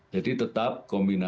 jadi tetap kita harus mengambil tangan